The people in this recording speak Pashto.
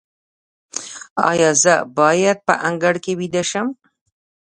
ایا زه باید په انګړ کې ویده شم؟